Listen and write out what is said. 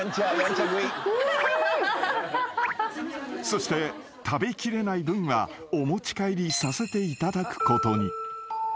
［そして食べきれない分はお持ち帰りさせていただくことに］